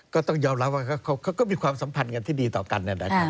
ก็ต้องยอมรับว่าเขาก็มีความสัมพันธ์กันที่ดีต่อกันนะครับ